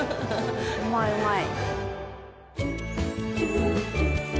・うまいうまい。